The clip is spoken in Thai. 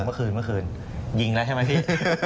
เมื่อคืนเมื่อคืนยิงแล้วใช่ไหมพี่